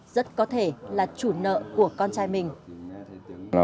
rất có thể là chủ nợ của con trai mình